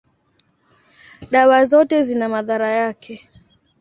dawa zote zina madhara yake.